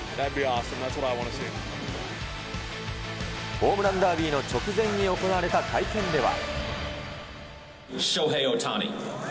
ホームランダービーの直前に行われた会見では。